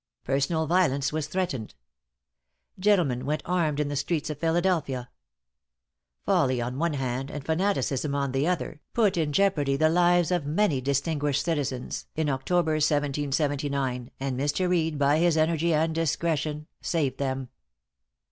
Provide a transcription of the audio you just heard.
Personal violence was threatened. Gentlemen went armed in the streets of Philadelphia. Folly on one hand and fanaticism on the other, put in jeopardy the lives of many distinguished citizens, in October, 1779, and Mr. Reed by his energy and discretion saved them.